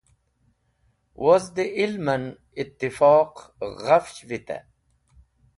Woz dẽ liman en itifoq ghafch vite.